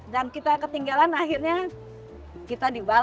dan kita ketinggalan akhirnya kita dibukakan